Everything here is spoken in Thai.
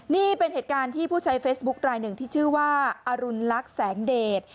นี่เป็นเหตุการณ์ที่ผู้ใช้เฟซบุ๊คลายหนึ่งที่ชื่อว่าอรุณลักษณ์แสงเดช